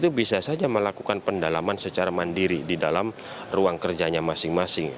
itu bisa saja melakukan pendalaman secara mandiri di dalam ruang kerjanya masing masing